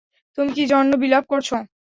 তুমি কি জন্য বিলাপ করছ?